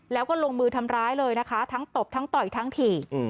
แล้วก็ลงมือทำร้ายเลยนะคะทั้งตบทั้งต่อยทั้งถี่